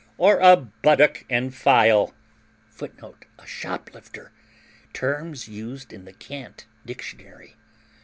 ] or a buttock and file, [Footnote: A shoplifter. Terms used in the Cant Dictionary.